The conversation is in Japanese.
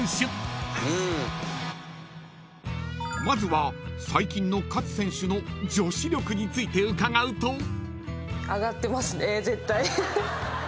［まずは最近の勝選手の女子力について伺うと］